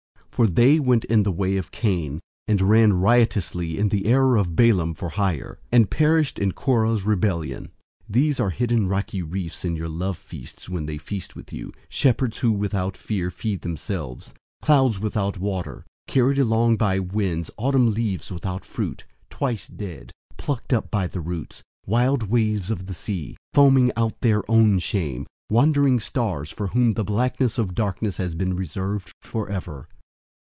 For they went in the way of Cain, and ran riotously in the error of Balaam for hire, and perished in Korah's rebellion. 001:012 These are hidden rocky reefs in your love feasts when they feast with you, shepherds who without fear feed themselves; clouds without water, carried along by winds; autumn leaves without fruit, twice dead, plucked up by the roots; 001:013 wild waves of the sea, foaming out their own shame; wandering stars, for whom the blackness of darkness has been reserved forever.